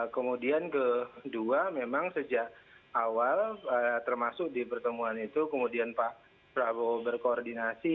kemudian kedua memang sejak awal termasuk di pertemuan itu kemudian pak prabowo berkoordinasi